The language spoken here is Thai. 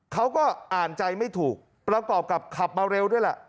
เขาก็อ่านใจไม่ถูกประกอบกับขับมาเร็วด้วยแหละ